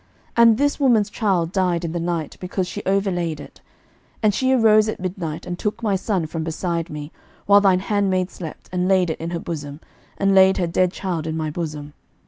11:003:019 And this woman's child died in the night; because she overlaid it. 11:003:020 And she arose at midnight, and took my son from beside me, while thine handmaid slept, and laid it in her bosom, and laid her dead child in my bosom.